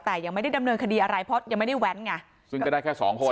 แต่ยังไม่ได้ดำเนินคดีอะไรเพราะยังไม่ได้แว้นไงซึ่งก็ได้แค่สองคน